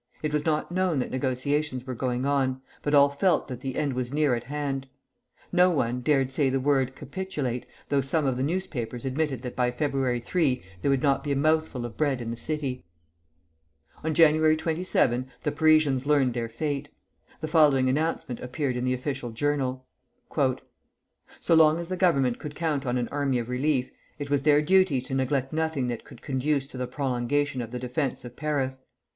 It was not known that negotiations were going on, but all felt that the end was near at hand. No one, dared to say the word "capitulate," though some of the papers admitted that by February 3 there would not be a mouthful of bread in the city. On January 27 the Parisians learned their fate. The following announcement appeared in the official journal: "So long as the Government could count on an army of relief, it was their duty to neglect nothing that could conduce to the prolongation of the defence of Paris.